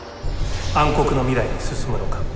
暗黒の未来に進むのか。